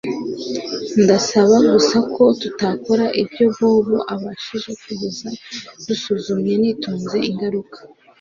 Ndasaba gusa ko tutakora ibyo Bobo abajije kugeza dusuzumye nitonze ingaruka